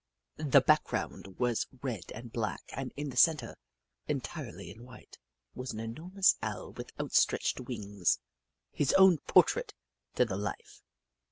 The background was red and black and in the centre, entirely in white, was an enormous Owl with outstretched wings — his own portrait to the life